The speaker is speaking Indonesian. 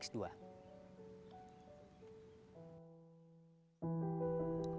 kupu kupu merupakan serangga primadona dan merupakan salah satu representatif serangga